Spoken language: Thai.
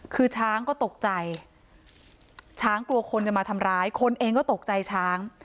คือช้างก็ตกใจช้างกลัวคนจะมาทำร้ายคนเองก็ตกใจช้าง